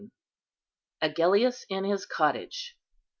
AGELLIUS IN HIS COTTAGE.